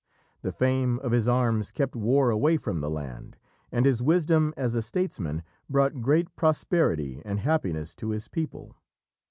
The fame of his arms kept war away from the land, and his wisdom as a statesman brought great prosperity and happiness to his people.